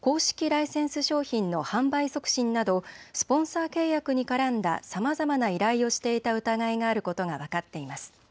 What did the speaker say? ライセンス商品の販売促進などスポンサー契約に絡んださまざまな依頼をしていた疑いがあることが分かっています。